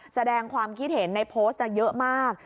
แสดงความคิดเห็นในโพสต์เยอะมาก